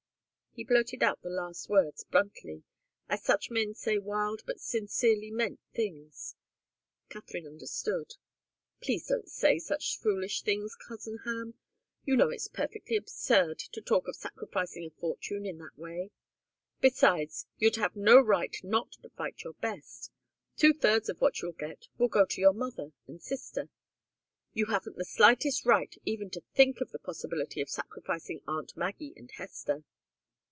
He blurted out the last words bluntly, as such men say wild but sincerely meant things. Katharine understood. "Please don't say such foolish things, cousin Ham. You know it's perfectly absurd to talk of sacrificing a fortune in that way. Besides, you'd have no right not to fight your best. Two thirds of what you'll get will go to your mother and sister. You haven't the slightest right even to think of the possibility of sacrificing aunt Maggie and Hester."